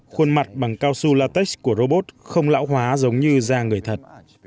khuôn mặt bằng cao su latex của robot không lão hóa giống như da người thật